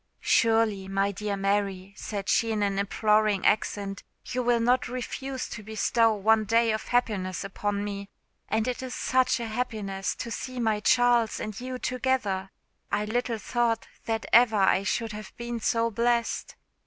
"Surely, my dear Mary," said she in an imploring accent, "you will not refuse to bestow one day of happiness upon me? and it is _such _a happiness to see my Charles and you together. I little thought that ever I should have been so blessed.